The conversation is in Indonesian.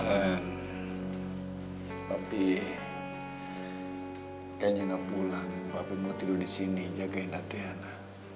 alan papi kan jenap pulang papi mau tidur disini jagain natriana